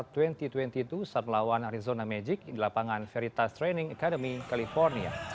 saat melawan arizona magic di lapangan veritas training academy california